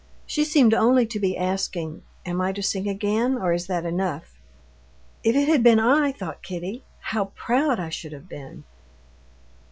She seemed only to be asking: "Am I to sing again, or is that enough?" "If it had been I," thought Kitty, "how proud I should have been!